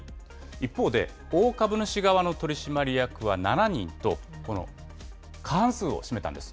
一方で、大株主側の取締役は７人と、過半数を占めたんです。